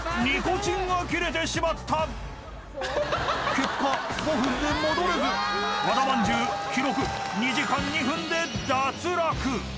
［結果５分で戻れず和田まんじゅう記録２時間２分で脱落］